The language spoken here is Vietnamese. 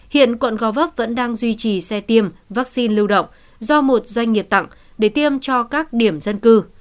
hiện quận gò vấp vẫn đang duy trì xe tiêm vaccine lưu động do một doanh nghiệp tặng để tiêm cho các điểm dân cư